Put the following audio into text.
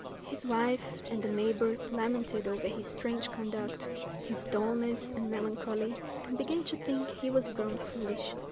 His wife and the neighbours lamented over his strange conduct, his dulness and melancholy, and began to think he was grown foolish.